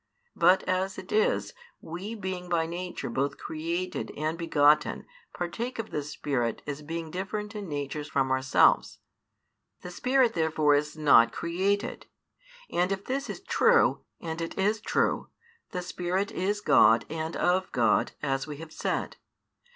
But as it is, we being by nature both created and begotten partake of the Spirit as being different in nature from ourselves. The Spirit therefore is not created. And if this is true, and it is true, the Spirit is God and of God, as we have said.